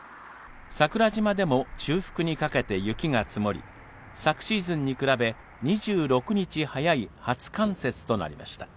桜島でも中腹にかけ雪が積もり、昨シーズンに比べ２６日早い初冠雪となりました。